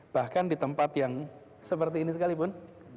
bahkan di tempat yang seperti ini sekalipun